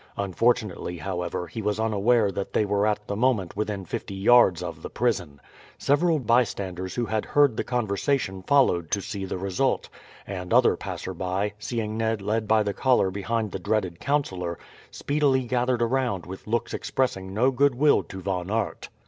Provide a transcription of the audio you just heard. Unfortunately, however, he was unaware that they were at the moment within fifty yards of the prison. Several bystanders who had heard the conversation followed to see the result; and other passersby, seeing Ned led by the collar behind the dreaded councillor, speedily gathered around with looks expressing no goodwill to Von Aert.